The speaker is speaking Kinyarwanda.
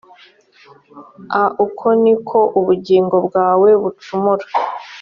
a uko ni ko ubugingo bwawe bucumura